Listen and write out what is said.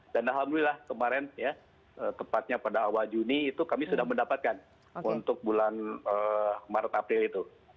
dan alhamdulillah kemarin ya tepatnya pada awal juni itu kami sudah mendapatkan untuk bulan maret april itu